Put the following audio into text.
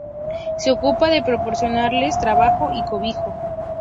Se ocupa de proporcionarles trabajo y cobijo.